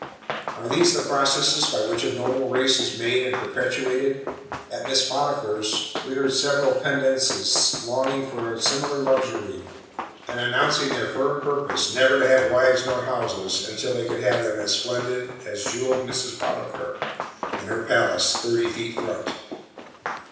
Are these the processes by which a noble race is made and perpetuated? At Mrs. Potiphar's we heard several Pendennises longing for a similar luxury, and announcing their firm purpose never to have wives nor houses until they could have them as splendid as jewelled Mrs. Potiphar, and her palace, thirty feet front.